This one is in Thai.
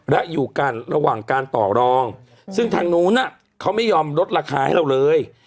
และอยู่กันระหว่างการต่อรองซึ่งทางนู้นเขาไม่ยอมลดราคาให้เราเลย